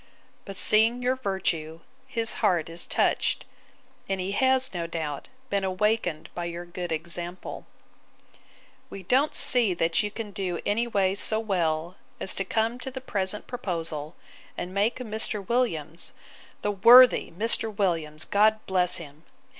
But seeing your virtue, his heart is touched; and he has, no doubt, been awakened by your good example. 'We don't see that you can do any way so well, as to come into the present proposal, and make Mr. Williams, the worthy Mr. Williams! God bless him!